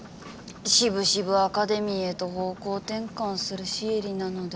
しぶしぶアカデミーへと方向転換するシエリなのでした。